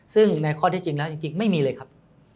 ซึ่งในข้อที่จริงแล้วจริงไม่มีเลยครับ